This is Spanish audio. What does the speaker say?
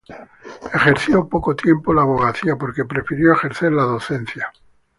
Ejerció poco tiempo la abogacía porque prefirió ejercer la docencia.